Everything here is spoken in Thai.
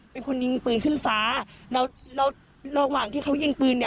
เป็นคนยิงปืนขึ้นฟ้าแล้วแล้วระหว่างที่เขายิงปืนเนี่ย